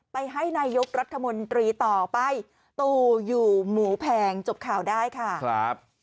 ให้นายกรัฐมนตรีต่อไปตู่อยู่หมูแพงจบข่าวได้ค่ะครับ